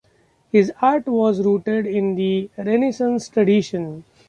His art was rooted in the Renaissance tradition.